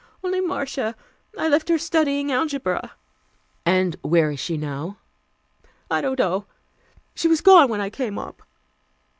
"Only Marcia. I left her studying algebra." "And where is she now?" "I don't know. She was gone when I came up."